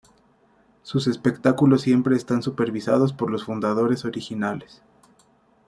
Sus espectáculos siempre están supervisados por los fundadores originales.